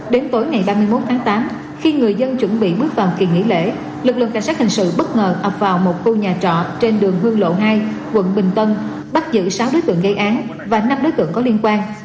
đến tối ngày ba mươi một tháng tám khi người dân chuẩn bị bước vào kỳ nghỉ lễ lực lượng cảnh sát hình sự bất ngờ ập vào một khu nhà trọ trên đường hương lộ hai quận bình tân bắt giữ sáu đối tượng gây án và năm đối tượng có liên quan